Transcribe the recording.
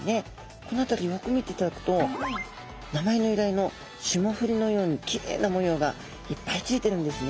この辺りをよく見ていただくと名前の由来のシモフリのようにきれいな模様がいっぱいついてるんですね。